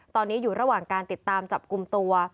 ตอนนี้อยู่ระหว่างการติดตามจับกลุ่มตัว